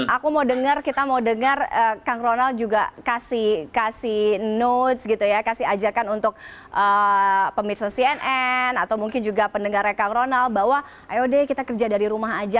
aku mau dengar kita mau dengar kang ronald juga kasih notes gitu ya kasih ajakan untuk pemirsa cnn atau mungkin juga pendengarnya kang ronald bahwa ayo deh kita kerja dari rumah aja